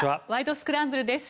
スクランブル」です。